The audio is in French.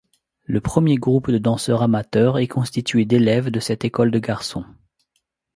Le premier groupe de danseurs amateurs est constitué d’élèves de cette école de garçons.